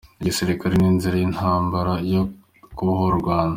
Igisirikare n’inzira y’intambara yo kubohora u Rwanda.